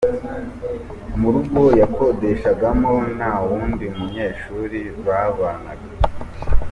Mu rugo yakodeshagamo nta wundi munyeshuri babanaga.